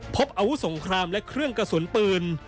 พบอาวุธสงครามและเครื่องกระสุนปืน